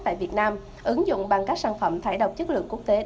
tại việt nam ứng dụng bằng các sản phẩm thải độc chất lượng quốc tế